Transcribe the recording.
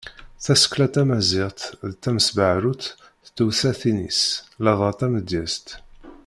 Tasekla tamaziɣt d tamesbeɣrut s tewsatin-is ladɣa tamedyazt.